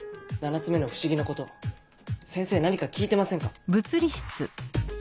７つ目の不思議のこと先生何か聞いてませんか？